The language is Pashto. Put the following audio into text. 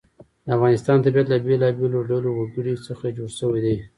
د افغانستان طبیعت له بېلابېلو ډولو وګړي څخه جوړ شوی دی.